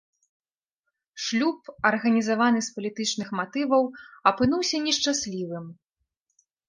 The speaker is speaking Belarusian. Шлюб, арганізаваны з палітычных матываў, апынуўся нешчаслівым.